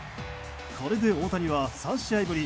これで大谷は３試合ぶり